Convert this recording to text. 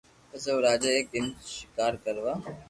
پسي او راجا ايڪ دن ݾڪار ڪروا